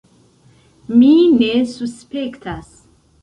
Mi ne suspektas.